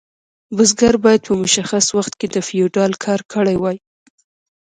بزګر باید په مشخص وخت کې د فیوډال کار کړی وای.